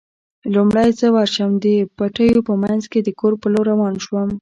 لومړی زه ورشم، د پټیو په منځ کې د کور په لور روان شوم.